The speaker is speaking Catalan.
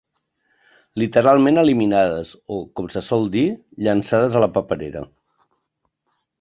Literalment eliminades o, com se sol dir, llençades a la paperera.